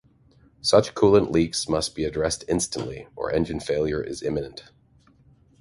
Such coolant leaks must be addressed instantly or engine failure is imminent.